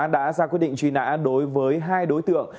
đã ra quyết định truy nã đối với hai đối tượng